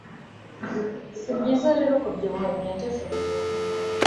Sibyiza rero kubyibuha birengeje urugero